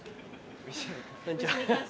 こんにちは。